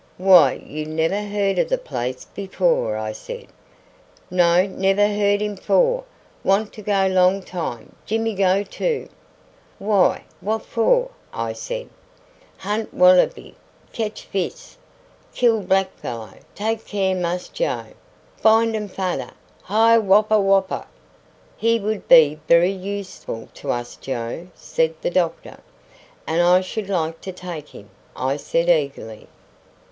"Why, you never heard of the place before," I said. "No, never heard him fore; want to go long time. Jimmy go too." "Why, what for?" I said. "Hunt wallaby kedge fis kill black fellow take care Mass Joe find um fader. Hi wup wup wup!" "He would be very useful to us, Joe," said the doctor. "And I should like to take him," I said eagerly.